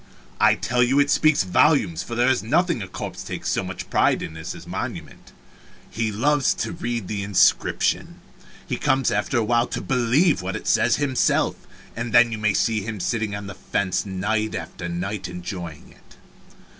I tell you it speaks volumes, for there is nothing a corpse takes so much pride in as his monument. He loves to read the inscription. He comes after a while to believe what it says himself, and then you may see him sitting on the fence night after night enjoying it.